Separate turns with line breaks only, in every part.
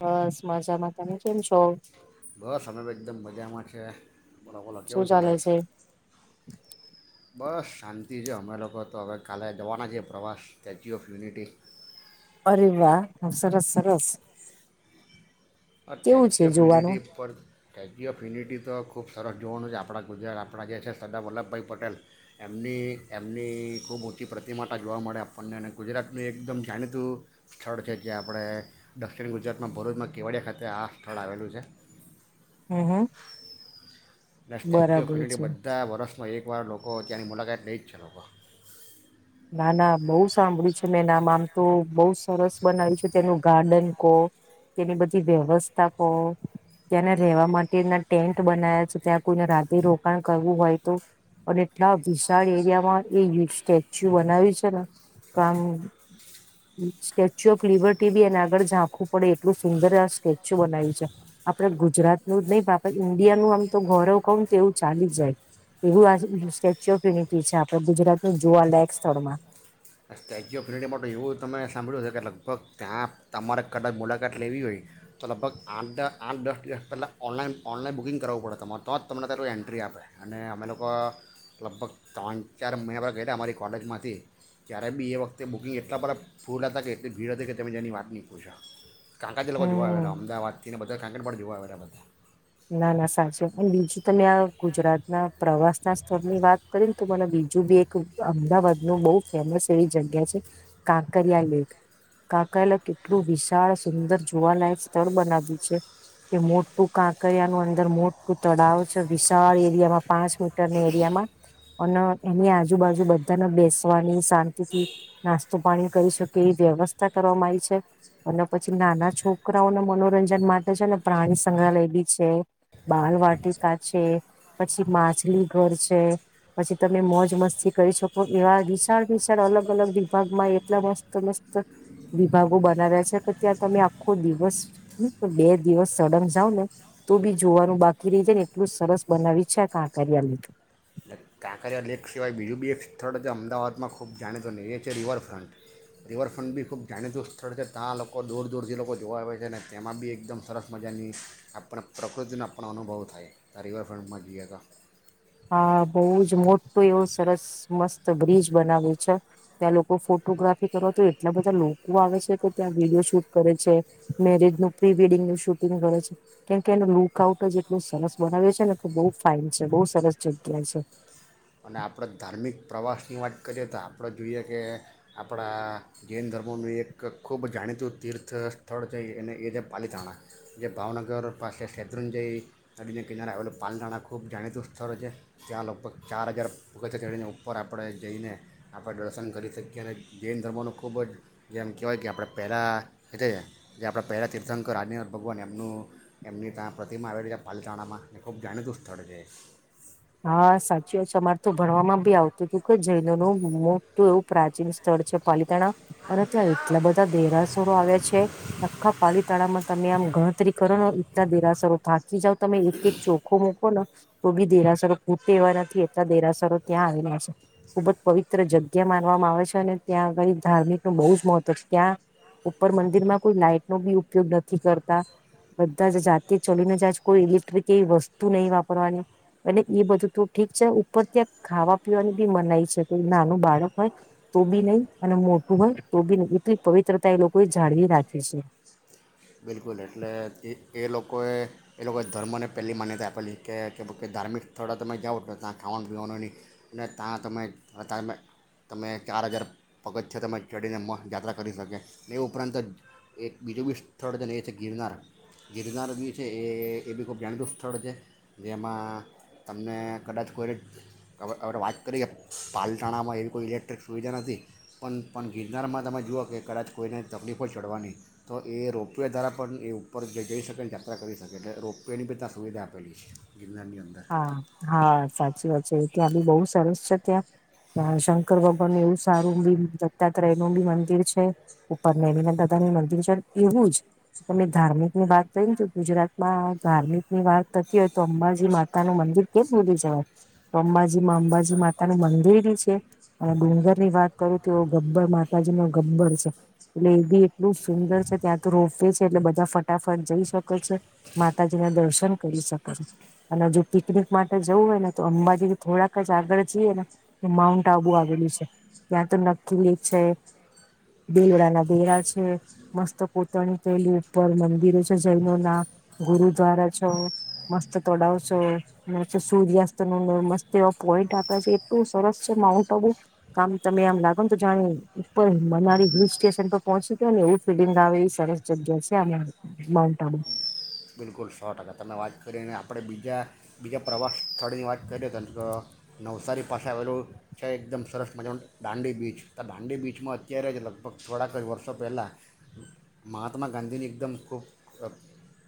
બસ મજામાં તમે કેમ છો
બસ સમમે તો એકદમ મજામાં છે બળ બળ કેવ
શું ચાલે
જલા છે બસ શાંતિ છે અમે લોકો તો હવે કાલે જવાના છીએ પ્રવાસ સ્ટેચ્યુ ઓફ યુનિટી
અરે વાહ સરસ સરસ
આ
કેવું છે
સ્ટેચ્યુ ઓફ
જોવાનું
યુનિટી પર સ્ટેચ્યુ ઓફ યુિટી તો ખૂબ સરસ જોવાનું છે આપણા ગુજરાત આપણા જે છે સરદાર વલ્લભભાઈ પટેલ એમની એમની ખૂબ ઊંી પ્રતિમાતા જોવા મળે આપણને અને ગુજરાતનું એકદમ જાણીતું સ્થળ છે જે આપણે દક્ષિણ ગુજરાતમાં ભરૂચમાં કેવડીિયા ખાતે તે્યા આથળ આવેલું છે
હમ હમ
એ સ્ટેચ્યુ ઓફ
બરાબર
યુનિટી
છે.
બધા વર્ષમાં એકવાર લોકો તની મુલાકાત દઈ છાલભ
ના ના બહુ સાંભળ્યું છે મે ના આમ તો બઉ સરસ બનાવ્યું છે તેનું ગાર્ડન કહો તેની બધી વ્યવસ્થા કહો ત્યાંને રેવા માટેના ટેન્ટ બના્યા છે ત્યાં કોઈને રાધે રોકાણ કરવું હોય તો અને એટલા વિશાળ એરિયામાં એ સ્ટચ્યુ બનાવ્યું છે ને તો આમ સ્ટેચ્યુ ઓફ લિબર્ટી બી એને આગળ ઝાંખું પડે એટલું સુંદર આ સ્ટેચ્યુ બનાવ્યું છે આપડે ગુજરાતનું જ નહીિ પણ આપે ઇન્ડિયા નું આમ તો ગૌરવ કહ તો એવું ચાલી જાય એવું આ સ્ટેચ્યુ ઓફ યુનિટી છે આપડે ગુજરાતનું જોુવાલાાયક સ્થળમાં
સ્ટેચ્યુ ઓફ યુનિટી માટે એવું તમે સાંભળ્યું છે કે લગભગ ત્યાં તમારે કદાચ મુલાકાત લેવી હોય તો લગભગ આઠ દ આઠ દસ દિવસ પહેલાં ઓનલાઈન ઓનલાઈન બુકિંગ કરાવવું પડે તમારે તો જ તમને તારું એન્ટ્રી આપે અને અમે લોકો લગભગ ત્રણ ચાર મહિના ગ અમારી કોલેજમાંથી જ્યારે સાહેબી એ વખતે બુકિંગ એટલા બ ફૂલ હતા કે એટલી ભીડ હતી કે તમે જેની વાતહી પૂછા કાંકા જ લોકો જોવા
હમ.
આવેલા અમદાવાદ તેને બધા કાંકણ પણડ જોવા આવે્યા બધા
ના ના સાચું અને બીજું તમે આ ગુજરાતના પ્રવાસ ના સ્થળની વાત કરીને તો મને બીજું બી એક અમદાવાદ નું બહ ફેમસ એવી જગ્યા છે કાંકરિયા લેક કાંકરિયા લેક એટલું વિશાળ સુંદર જોવાલાયક સ્થળ બનાવ્યું છે કે મોટું કાંક નું અંદર મોટું તળાવ છે વિશાળ એરિયામાં પાંચ મીટરની એરિયામાં અને એની આજુબાજુ બધાને બેસવાની શાંતિથી નાસ્તો પાણી કરી શકે એવી વ્યવસ્થા કરવામાં આવી છે અને પછી નાના છોકરાઓને મનોરંજન માટે છે ને પ્રાણી સંગ્રહાલય બી બાલ વાટિકા છે પછી માછલી ઘર છે પછી તમે મોજ મસ્તી કરી શકો એવા વિશાળ વિશાળ અલગ અલગ વિભાગમાં એટલા મસ્ત મસ્ત વિભાગો બનાવ્યા છે કે ત્યાં તમે આખો દિવસ બે દિવસ સળંગ જાાવ ને તો બી જોવાનું બાકી રહી જાય ને એટલું જ સરસ બનાવી છે ક કાર્યા લીધું
એટલે કાંકરિયા લેક સિવાય બીજું બી એક સ્થળ છે અમદાવાદમાં ખૂબ જાણીતું ન એ છે રિવરફ્રન્ટ રિવરફ્રન્ટ બી ખૂબ જાણીતું સ્થળ છે ત્યાં લોકો દૂર દૂરથી લોકો જોવા આવે છે અને તેમાં બી એકદમ સરસ મજાની આપણે પ્રકૃતિનો પણણ અનુભવ થાય તં રિવરફ્રન્ટમાં જઈએ તો
હા બહુ જ મોટો એવો સરસ મસ્ત બ્રિજ બનાવે્યો છે ત્યાં લોકો ફોટોગ્રાફી કરવા તો એટલા બધા લોકો આવે છે કે ત્યાં વિડીિયો શૂટ કરે છે મેરેજ નું પ્રી વેડિંગ નું શૂટિંગ કરે છે કેમકે એનું લુક આઉટ જ એટલું સરસ બનાવે છેને બઉુ ફાાઈન છે બહુ સરસ જગ્યા છે
અને આપણે ધાર્મિક પ્રવાસની વાત કરીએ તો આપણે જોઈએ કે આપણા જૈન ધર્મોનું એક ખૂબ જાણીતું તીર્થ સ્થળ છે અને એ છે પાલીતાણા જે ભાવનગર પાસે શૈત્રુંંજય નદીના કિનારે આવેલા પાલીતાણા ખૂબ જાણીતું સ્થળ છે ત્યાં લગભગ ચાર હજાર ભૂગતને ઉપર આપણે જઈને આપણે દર્શન કરી શકીએ અને જૈન ધર્મોનું ખૂબ જ જેમ કહેવાય કે આપણે પહેલાં જે આપણે પહેલાં તીર્થંકર આ ભગવાન એમનું એમની ત્યાં પ્રતિમા આવેલી છે પાલતાણામાં એ ખૂબ જાણીતું સ્થળ છે
હા સાચી વા છે અમાર તો ભણવામાં ભી આવતું હતું કે જૈનો નું મોટું એવું પ્રાચીન સ્થળ છે પાલી તે અને ત્યાં એટલા બધા દેરાસુરો આવ્યા છે આખા પા માં તમે આમ ગણતરી કરો ને એટલા દેરાસરો થા જાવ તમે એક એક ચોખોમાં બોલો તો બી દેરા ૂ એવા નથી એટલા દેરાસરો ત્યાં આવેલા છે ખુબ જ પવિત્ર જગ્યા માનવામાં આવે છે અને ત્યાંગળ ધાર્મિક ન બહુ જ મહત્વ છે ત્યાં ઉપર મંદિરમાં કોઈ લાાઈટ નો બી ઉપયોગ નથી કરતા બધા જ જાતે ચલીને જજ કોઈ ઇલેક્ટ્રિક એવી વસ્તુ નહી વાપરવાની અનેટ એ બધું તો ઠીક છે ઉપર ત્યાં ખાવા પીવાનું બી મનાય છે કોઈ નાનું બાળક હોય તો બી નઈ અને મોટું હોય તો બી નઈ એટલી પવિત્રતા એ લોકો એ જાળવી રાખે છે
બિલકુલ એટલે એ એ લોકોએ એ લોકોએ ધર્મને પહેલી માન્યતા આપેલી છે કે ધાર્મિક સ્થળો તમે જાઓ ત્યાં ખાવાનું પીવાનું નહીં ને ત્યાં તમે ત તમે ચાર હજાર પગથથી તમે ચડીને યાત્રા કરી શકે એ ઉપરાંત એક બીજું બી સ્થળ છે ને એ છે ગિરનાર ગિરનાર બી છે એ એ બી ખૂબ જાણતૃત સ્થળ છે જેમાં તમને કદાચ કોઈનેણે વાત કરીએ પાલટાણામાં એવી કોઈ ઇલેક્ટ્રિક સુવિધા નથી પણ પણ ગિરનારમાં તમે જુઓ કે કદાચ કોઈને તકલીફો જ ચડવાની તો એ રો રોપિયા દ્વારા પણ એ ઉપર જઈ શકે અને યાત્રા કરી શકે એટલે રોપવેની બી ત આં સુવિધા આપેલી છે ગિરનારની અંદર
હા હા સાચી વાત છે ત્યાં બી બહુ સરસ છે ત્યાં ત્યાં શંકર ભગવાન એવું સારું બી દત્તાત્રય નું બી મંદિર છે ઉપરનેલીના દાદા ની મંદિર છે એવું જ તમે ધાર્મિક ની વાત કરીને ગુજરાતમાં ધાર્મિક ની વાત થતી હોય તો અંબાજી મા મર કેમ સુધી જવાય તો અંબાજીમાં અંબાજી માતા નું મંદિર બી છે અને ડુંગર ની વાત કરું તો ગબ્બર માતાજી ન ગબ્બર છે એટલે એ બી એટલું સુંદર છે ત્યાં તો રોપવે છે એટલે બધા ફટાફટ જઈ શકે છે માતાજી ના દર્શન કરી શકે છે અને જો પિકનિક માટે જવું હોય ને તો અંબાજી થોડાક જ આગળ જઈએ ને તો માઉન્ટ આબુ આવેલું છે ત્યાં તો નક્કીકી લ છે દેવડાના દેરા છે મસ્ત પોતાની થયલી ઉપર મંદિરો છે જૈનો ના ગુરુદ્વારા છો મસ્ત તોડાવશો સૂર્યાસ્ત નું મસ્ત એવ પોઈન્ટ આપે છે એટલું સરસ છે માઉન્ટ આબુ કમ તમે આમ લાગો ને તો જાણેર મનારી હિલ સ્ટેશન પર પહોંચી ગ ને એવું ફીલિંગ આવે એવી સરસ જગ્યા છે આ માઉન્ટ આબુ
બિલકુલ સો ટકા તમે વાત કરીને આપણે બીજા બીજા પ્રવાસ સ્થળોની વાત કરીએ તો નવસારી પાસે આવેલું છે એકદમ સરસ મજા દાંડી બીચ તો દાંડી બીચમાં અત્યારે જ લગભગ થોડાક વર્ષો પહેલાં મહાત્મા ગાંધીની એકદમ ખૂબ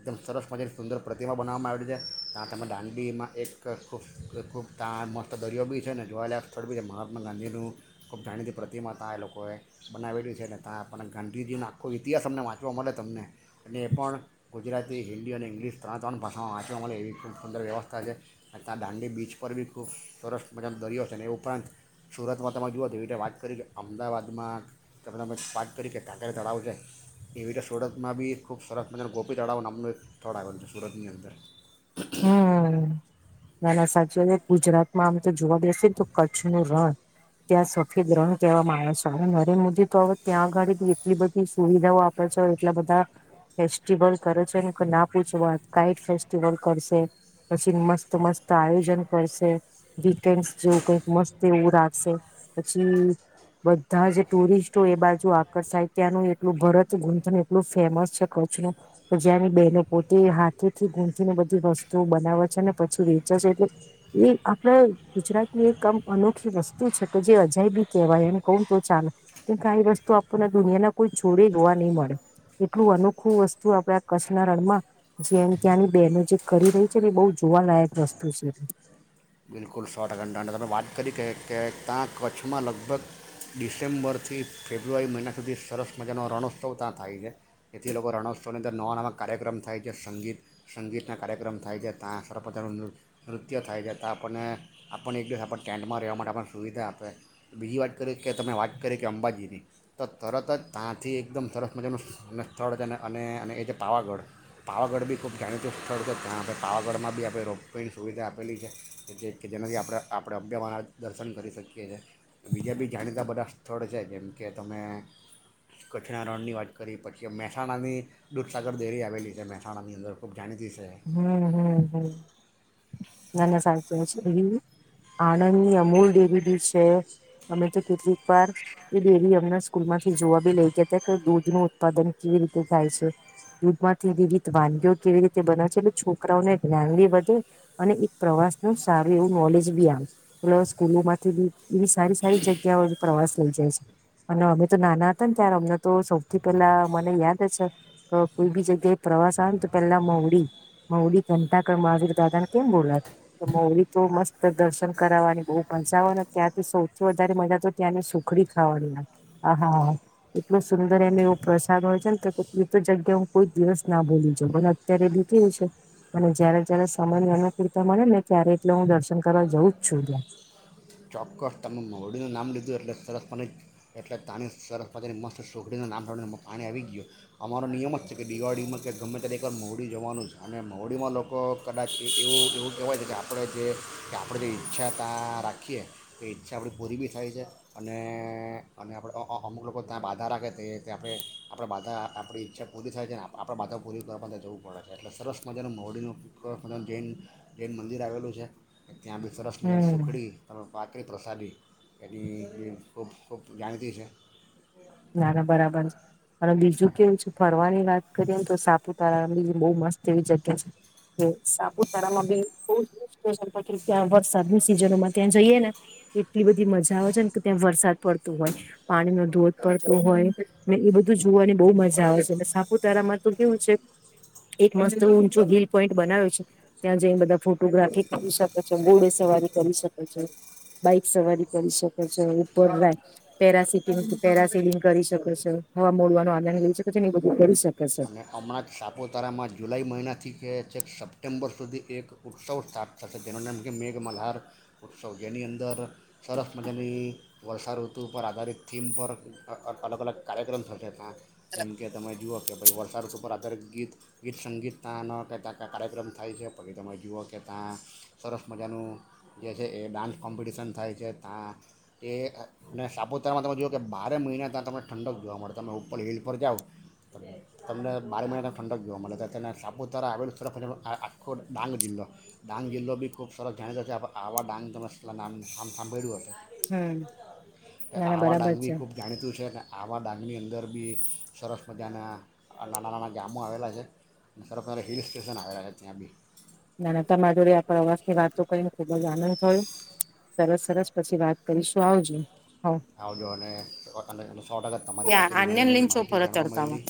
એકદમ સરસ મછાની સુંદર પ્રતિમા બનાવવામાં આવેલી છે ત્યાં તમે દાંડડીમાં એક ખૂબ ખૂબ ત્યાં મસ્ત દરિયો બી છે ને જોયાયેલા સ્થળ બી છે મહાત્મા ગાંધીનું ખૂબ જાાણીતી પ્રતિમા ત્યાં એ લોકોએ બનાવેલી છે અને ત્યાં પણ ગાંધીજીનો આખો ઇતિહાસ અમને વાંચવા મળે તમને અને એ પણ ગુજરાતી હિન્દી અને ઇંગ્લિશ ત્રણ ત્રણ ભાષાઓ વાંચવા મળે એવી ખૂબ સુંદર વ્યવસ્થા છે અને ત્યાં દાંડી બીચ પર બી ખૂબ સરસ મજા દરિયો છે એ ઉપરાંત સુરતમાં તમે જુઓ તો એવી રીતે વાત કરી કે અમદાવાદમાં તમે તમે વાત કરી કે કાતે તળાવ છે એવી રીતે સુરતમાં બી ખૂબ સરસ મજા ગોપ તળાવનામનું થોડા છે સુરતની અંદર
હમ નાના સાચીવે ગુજરાતમાં આમ તો જોવા દેશે ને તો કચ્છ નું રણ ત્યાં સફેદ રણ કહેવામાં આવે છે નરેન્દ્ર મોદી તો હવે ત્યાં આગળ એટલી બધી સુવિધાઓ આપે છે એટલા બધા ફેસ્ટિવલ કરે છે ના પૂછવા કઈ ફેસ્ટિવલ પછી મસ્ત મસ્ત આયોજન કરશે વીકેન્ડ જેવું કઈક મસ્ત એવું રાખશે પછી બધા જ ટુરિસ્ટો એ બાજુ આકર્ષાય ત્યાંનું એટલું ભરત ગૂથ એટલું ફેમસ છે કચ્છ ન તો જ્યાંની બહેનો પોતે હાથેથી ગૂને બનાવે છે ને પછી વેચે છે એટલે એ આપડ ગુજરાતની એક આમ અનોખી વસ્તુ છે કે જે અજાય બી કેહેવાય એમ કહ તો ચાલે કે આઈ વસ્તુ આપણને દુનિયાના કોઈ જોોડે જોવા નહી મળે એટલું અનોખું વસ્તુ આપડ કચ્છના રણમાં જે ત્યાંની બેનું જે કરી રહી છે ને એ બહુ જોવાલાયક વસ્તુ છે
બિલકુલ સો ટકાની દં તમે વાત કરી કે કે ત્યાં કચ્છમાં લગભગ ડિસેમ્બરથી ફેબ્રુઆરી મહિના સુધી સરસ મજાનો રણોત્સવ ત્યાં થાય છે એથી લોકો રણોત્સવની અંદર નવા નવા કાર્યક્રમ થાય છે સંગીત સંગીતના કાર્યક્રમ થાય છે ત્યાં સરસ મજાનું નૃ નૃત્ય થાય છે ત્યાં આપણને આપણ એક દિવસ આપણ ટેન્ટમાં રહેવા માટે આપણ સુવિધા આપે બીજી વાત કરીએ કે તમે વાત કરી કે અંબાજીની તો તરત જ ત્યાંથી એકદમ સરસ મજાનું સ્થળ છે અને અને અને એ છે પાવાગઢ પાવાગઢ બી ખૂબ જાણીતું સ્થળ છે જ્યાં આપણે પાવાગઢમાં બી આપણે રોપવેની સુવિધા આપેલી છે એટ કે જેનાથી આપણે આપણે અબ્યાવાના દર્શન કરી શકીએ છીએ બીજા બી જાણીતા બધા સ્થળ છે જેમકે તમે કચ્છના રણની વાત કરી પછી મહેસાણાની દૂધસાગર ડેરી આવેલી છે મહેસાણાની અંદર ખૂબ જાણીતી છે
હમ હમ હમ ના ના સાચ કહે છે એ આણંદની અમૂલ ડેરી બી છે અમે તો કેટલીક વાર એ ડેરી અમના સ્કૂલ માંથી જોવા બી લઈ ગયા હતા કે દૂધ નું ઉત્પાદન કેવી રીતે થાય છે દૂધ માંથી વિવિધ વાનગી કેવી રીતે બના છે એટલે છોકરાઓને જ્ઞાન બી વધે અને એક પ્રવાસ નું સારું એવું નોલેજ બી આવે એટલે સ્કૂલો માંથી બી એવી સારી સારી જગ્યાઓ પ્રવાસ લઈ જાય છે અને અમે તો નાના હતા ને ત્યારે અમને તો સૌથી પહેલા મને યાદ છે કોઈ બી જગ્યાએ પ્રવાસ આવે ને તો પેલા મલી કંટાકળ મહાવીર દાદાને કેમ બોલાય તો મૌલી તો મસ્ત દર્શન કરાવવાની બહ પચવાને ત્યાંથી સૌથી વધારે મજા તો ત્યાંની સુખડી ખાવાનીાગ આહાા એટલો સુંદર એમ એવો પ્રસાદ હોય છે ને એ તો જગ્યા હું કોઈ દિવસ ના બોલી જાઉ અત્યારે બી ું અને જયારે જ્યારે સમયની અનુકૂળતા મળે ને ત્યારે એટલે હું દર્શન કરવા જવું જ છું ત્યાં
ચોક્કસ તમે મહુડીનું નામ લીધું એટલે સરસ પતી એટલે તાણી સરસ પતીની મસ્ત સુખડીનું નામ લને પાણી આવી ગયું અમારો નિયમ જ છે કે દિવાળીમાં કે ગમે ત એકવાર મહડી જવાનું છે અને મહડીમાં લોકો કદાચ એ એવું એવું કહેવાય છે કે આપણે જે કે આપણે જે ઈચ્છા ત્યાં રાખી રાખીએ એ ઈચ્છા આપણી પૂરી બી થાય છે અને અને આપણે અમુક લોકો ત્યાં બાધા રાખે તે આપણે આપણા બાધા આપણી ઈચ્છા પૂરી થાય છે અને આપણા બાધા પૂરી કરવા માટે જવું પડે છે એટલે સરસ મજાનું મોરડીનું સર મજાનું જૈન જૈન મંદિર આવેલું છે ત્યાં બી સરસ મજની
હમ
સુખડી પાત્રળ પ્રસાદી એની ખૂબ ખૂબ જાણતી છે
ના ના બરાબર છે અને બીજું કેવું છે ફરવાની વાત કરીએ ને તો સાપુતારા બી બહ મસ્ત એવી જગ્યા છે કે સાપુતારામાં બી બ જત ત્યાં વરસાદની સિઝનોમાં ત્યાં જઈએે ને એટલી બધી મજા આવે છે ને કે ત્યાં વરસાદ પડતું હોય પાણીનો ધોધ પડત હોય ને એ બધું જોવાની બહુ મજા આવે છે અને સાપુતારામાં તો કેવું છે એક મસ્ત ઊંચો વલ પોઈન્ટ બનાવ્યો છે ત્યાં જઈને બધા ફોટોગ્રાફી કરી શકે છે ગોડે સવારી કરી શકે છે બાઈક સવારી કરી શકે છે ઉપર પેરાટીંગ પેરા સિલિંગ કરી શકે છે હવા મોડવાનું આદરણ લઈ શકે છે એ બધું કરી શકે છે
અને હમણાં જ સાપુતારામાં જુલાઈ મહિનાથી છે છે સપ્ટેમ્બર સુધી એક ઉત્સવ સ્ટાર્ટ થશે જેનું નામ છે મેઘમલ્હાર ઉત્સવ જેની અંદર સરસ મજાની વર્ષાઋતુ પર આધારિત થીમ પર અલગ અલગ કાર્યક્રમ થશે ત્યાં એમ કે તમે જુઓ કે ભછાઈ વરસાદ ઉપર આધારે ગીત ગીત સંગીત ત્યાં ન ક ત્યાં ક કાર્યક્રમ થાય છે પછી તમે જુઓ કે ત્યાં સરસ મજાનું જે છે એ ડાન્સ કોમ્પિટિશન થાય છે ત્યાં એ અને સાપુતારામાં તમે જુઓ કે બારે મહિના ત્યાં તમને ઠંડક જોવા મળે તમે ઉપર હિલ પર જાઓ તમને મારે મહિનેને ઠંડક જો મળ તેને સાપુતારા આવેલું સરફ આખો ડાંગ જિલ્લો ડાંગ જિલ્લો બી ખૂબ સરસ જાણીતો છે આવા ડાંગ તમે નામ નામ સાંભળ્યું
હમ
હત
નાના
આવા
બરાબર
ડાંગી
છે
ખુબ જાણીતું છે ને આવા ડાંગની અંદર બી સરરાફ બધાના નાનાં નાના ગામો આવેલા છે સર હિલ સ્ટેશન આવેલા છે ત્યાં બી
નાનતા માધોડ આપ પ્રવાસ ની વાતો કરીને ખુબ જ આનંદ થયો સરસ સરસ પછી વાત કરીશું આવજો હ.
આવજો અને સો ટકાત તમારી
યા
પાસે બી નવી
આન્યન
નવી
લીન છો
માહિતી
પરત
જાણવા
તડકામાં
મળેલી